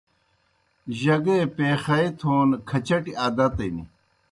جگے پیخائے تھون کھچٹیْ عادتِن۔